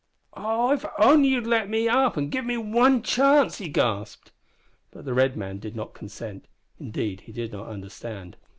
"Oh, if you'd only let me up and give me one chance!" he gasped. But the red man did not consent indeed, he did not understand.